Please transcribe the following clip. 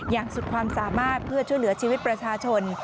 อย่างสุดความสามารถเพื่อช่วยเหลือชีวิตประชาชน